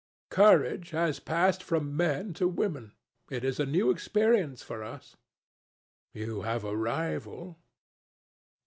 "Courage has passed from men to women. It is a new experience for us." "You have a rival."